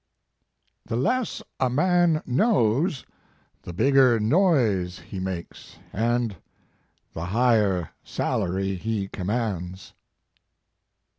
1 " 4 The less a man knows the bigger noise he makes and the higher salary he commands."